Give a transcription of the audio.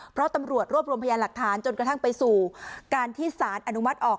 เพราะตำรวจรวบรวมพยานหลักฐานจนกระทั่งไปสู่การที่สารอนุมัติออก